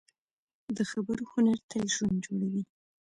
د خبرو هنر تل ژوند جوړوي